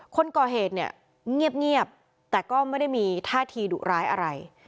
คนก่อเหตุเนี่ยเงียบแต่ก็ไม่ได้มีท่าทีดุร้ายอะไร